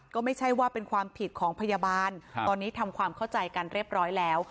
ก็ไม่ใช่ว่าเป็นความผิดของพยาบาลตอนนี้ทำความเข้าใจกันเรียบร้อยแล้ว